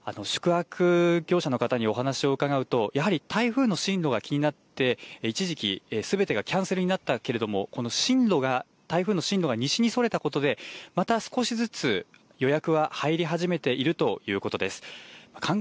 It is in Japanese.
宿泊業者の方にお話を伺うとやはり台風の進路が気になって一時期すべてがキャンセルになったけれどもこの台風の進路が西にそれたことでまた少しずつ予約は入り始めているということです。